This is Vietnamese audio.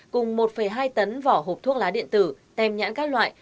cùng một hai tấn vỏ hộp thuốc lá điện tử tem nhãn các loại